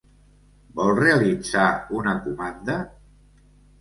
Vol realitzar una comanda?